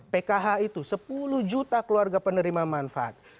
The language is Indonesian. pkh itu sepuluh juta keluarga penerima manfaat